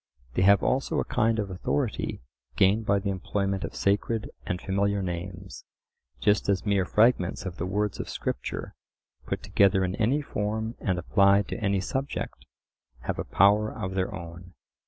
They have also a kind of authority gained by the employment of sacred and familiar names, just as mere fragments of the words of Scripture, put together in any form and applied to any subject, have a power of their own.